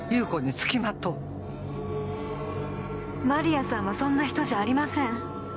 万里亜さんはそんな人じゃありません。